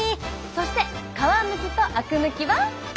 そして「皮むき」と「あく抜き」は。